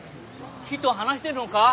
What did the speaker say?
木と話してるのか？